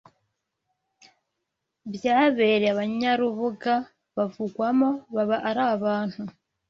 byabereye Abanyarubuga bavugwamo baba ari abantu